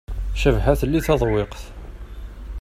Cabḥa telli taḍwiqt.